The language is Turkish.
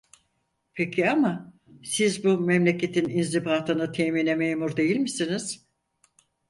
Peki ama, siz bu memleketin inzibatını temine memur değil misiniz?